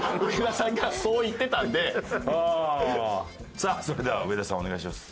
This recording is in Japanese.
さあそれでは上田さんお願いします。